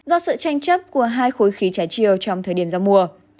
do sự tranh chấp của hai khối khí trái chiều trong thời điểm giao mùa